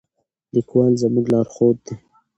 لیکوال زموږ لارښود دی.